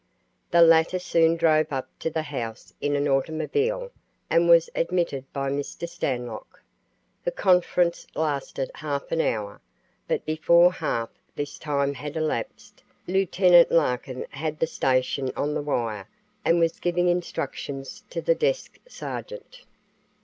The latter soon drove up to the house in an automobile and was admitted by Mr. Stanlock. The conference lasted half an hour, but before half this time had elapsed Lieut. Larkin had the station on the wire and was giving instructions to the desk sergeant.